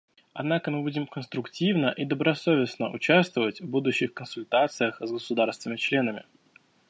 Однако мы будем конструктивно и добросовестно участвовать в будущих консультациях с государствами-членами.